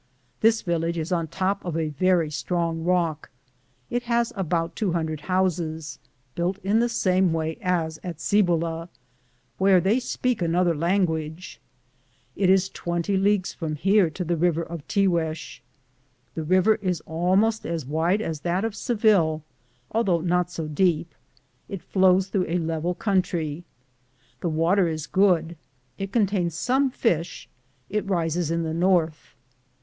This village is on top of a very strong rock ; it has about 200 houses, built in the same way as at Cibola, where they speak another language. It is 20 leagues from here to the river of Tiguex. The river is almost as wide as that of Seville, although not so deep; it flows through a level country ; the water is good ; it contains some fish; it rises in the north.